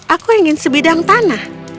aku ingin sebidang tanah